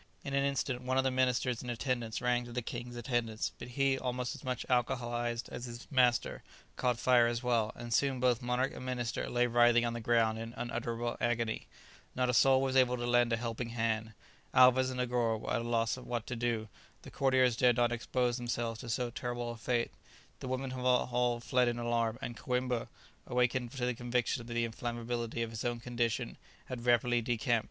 In an instant one of the ministers in attendance ran to the king's assistance, but he, almost as much alcoholized as his master, caught fire as well, and soon both monarch and minister lay writhing on the ground in unutterable agony. Not a soul was able to lend a helping hand. Alvez and Negoro were at a loss what to do; the courtiers dared not expose themselves to so terrible a fate; the women had all fled in alarm, and Coïmbra, awakened to the conviction of the inflammability of his own condition, had rapidly decamped.